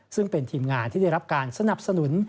ซึ่งเป็นทีมงานที่ได้รับการสนับสนุน